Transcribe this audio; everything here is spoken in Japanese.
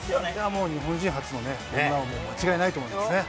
もう日本人初のホームラン王間違いないと思いますね。